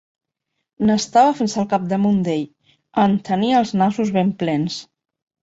N'estava fins al capdamunt d'ell – en tenia els nassos ben plens.